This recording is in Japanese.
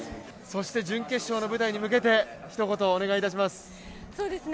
そして準決勝の舞台に向けてひと言、お願いします。